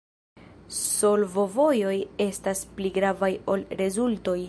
Solvovojoj estas pli gravaj ol rezultoj.